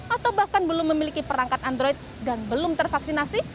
atau bahkan belum memiliki perangkat android dan belum tervaksinasi